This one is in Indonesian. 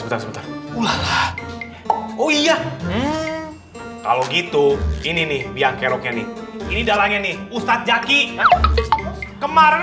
oh iya kalau gitu ini nih biar keroknya nih ini dalangnya nih ustadz jaki kemarin